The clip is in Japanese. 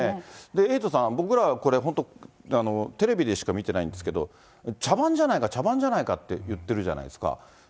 エイトさん、僕らこれ、本当、テレビでしか見てないんですけど、茶番じゃないか、茶番じゃないかって言ってるじゃないですか。